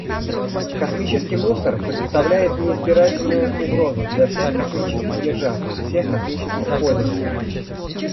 Космический мусор представляет неизбирательную угрозу для всех космических держав и всех космических пользователей.